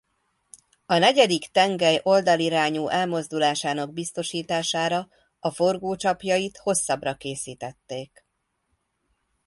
A negyedik tengely oldalirányú elmozdulásának biztosítására a forgócsapjait hosszabbra készítették.